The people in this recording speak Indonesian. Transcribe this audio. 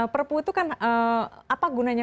perpu itu kan apa gunanya